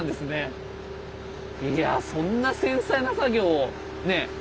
いやそんな繊細な作業をね